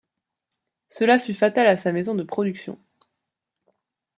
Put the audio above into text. Cela fut fatal à sa maison de production.